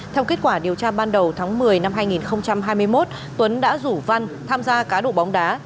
theo kết quả điều tra ban đầu tháng một mươi năm hai nghìn hai mươi một tuấn đã rủ văn tham gia cá độ bóng đá